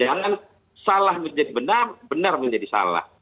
jangan salah menjadi benar benar menjadi salah